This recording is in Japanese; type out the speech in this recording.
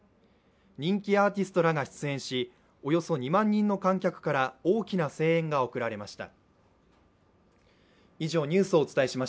人気アーティストらが出演しおよそ２万人の観客から大きな声援が送られました。